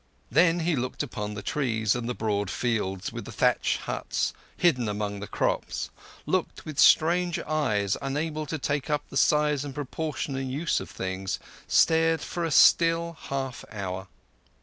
Then he looked upon the trees and the broad fields, with the thatched huts hidden among crops—looked with strange eyes unable to take up the size and proportion and use of things—stared for a still half hour.